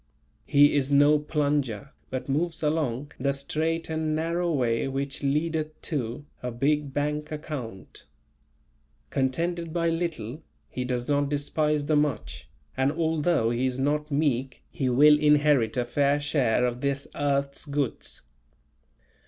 He is no "Plunger," but moves along the "straight and narrow way which leadeth to" a big bank account. Contented by little, he does not despise the much, and although he is not meek, he will inherit a fair share of this earth's goods.